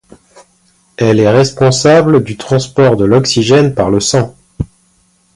Elle est responsable du transport de l'oxygène par le sang.